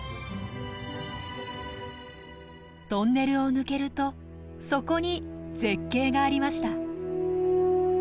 トンネルを抜けるとそこに絶景がありました。